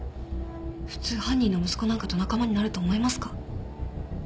普通犯人の息子なんかと仲間になると思いますか？